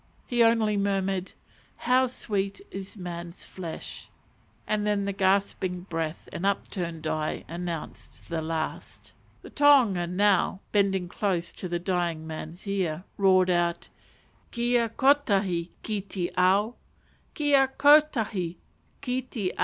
He only murmured "How sweet is man's flesh," and then the gasping breath and upturned eye announced the last moment. The tohunga now, bending close to the dying man's ear, roared out, "_Kia kotahi ki te ao! Kia kotahi ki te ao!